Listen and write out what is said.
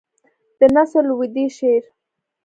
د نصر لودي شعر.